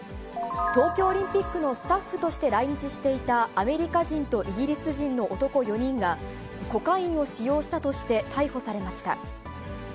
東京オリンピックのスタッフとして来日していた、アメリカ人とイギリス人の男４人が、コカインを使用したとして逮捕されました。